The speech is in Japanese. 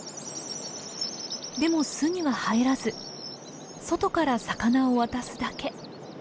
でも巣には入らず外から魚を渡すだけ。